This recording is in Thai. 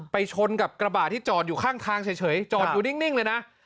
ชนกับกระบะที่จอดอยู่ข้างทางเฉยจอดอยู่นิ่งเลยนะ